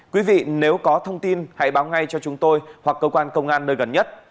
quý vị nếu có thông tin hãy báo ngay cho chúng tôi hoặc cơ quan công an nơi gần nhất